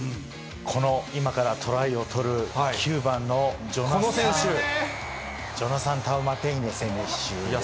この、今からトライを取る９番のジョナサン選手、ジョナサン・タウマテイネ選手ですね。